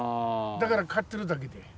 だから刈ってるだけで。